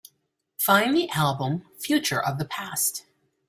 Find the album Future of the Past